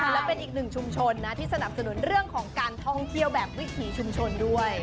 และเป็นอีกหนึ่งชุมชนนะที่สนับสนุนเรื่องของการท่องเที่ยวแบบวิถีชุมชนด้วย